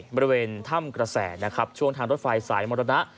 บริเวณถ้ำกระแสนะครับช่วงทางรถไฟสายมรณะ